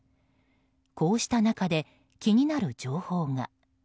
こうした中で、気になる情報が。